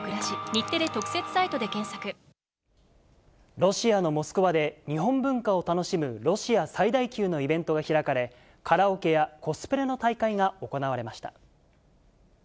ロシアのモスクワで、日本文化を楽しむロシア最大級のイベントが開かれ、カラオケやコスプレの大会が行われました。